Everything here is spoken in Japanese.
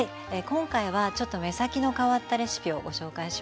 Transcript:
今回はちょっと目先の変わったレシピをご紹介します。